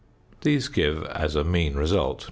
These give, as a mean result, 0.